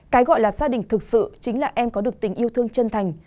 cái gọi là gia đình thực sự chính là em có được tình yêu thương chân thành